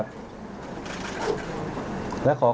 พร้อมแล้วเลยค่ะ